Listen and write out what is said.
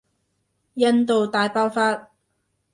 印度大爆發